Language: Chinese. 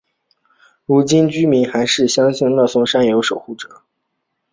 如今居民还是相信乐松山有守护者。